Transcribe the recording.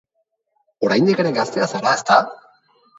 Oraindik ere gaztea zara, ezta?